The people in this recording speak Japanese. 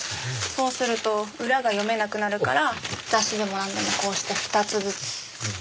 そうすると裏が読めなくなるから雑誌でもなんでもこうして２つずつ。